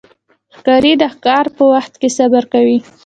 ښکاري د ښکار په وخت کې صبر کوي.